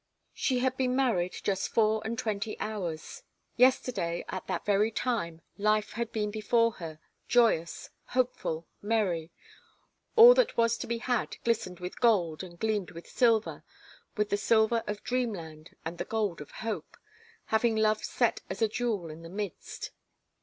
She had been married just four and twenty hours. Yesterday, at that very time, life had been before her, joyous, hopeful, merry. All that was to be had glistened with gold and gleamed with silver, with the silver of dreamland and the gold of hope, having love set as a jewel in the midst.